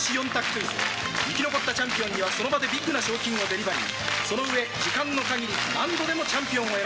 クイズ生き残ったチャンピオンにはその場でビッグな賞金をデリバリーその上時間のかぎり何度でもチャンピオンを選ぶ